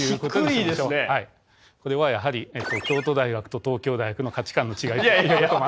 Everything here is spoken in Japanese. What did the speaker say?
これはやはり京都大学と東京大学の価値観の違いということも。